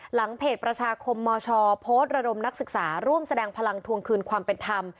หลังเพจประชาคมมชโพสต์ระดมนักศึกษาร่วมแสดงพลังทวงคืนความเป็นธรรม